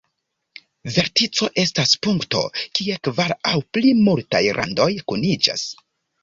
Vertico estas punkto kie kvar aŭ pli multaj randoj kuniĝas.